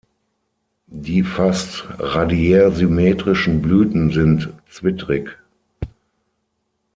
Die fast radiärsymmetrischen Blüten sind zwittrig.